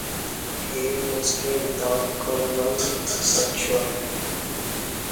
Head mostly without coronal suture.